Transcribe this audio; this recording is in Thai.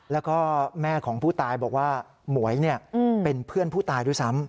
แล้วก็แม่ของผู้ตายบอกว่าหมวยเป็นเพื่อนผู้ตายด้วยซ้ำ